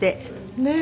ねえ。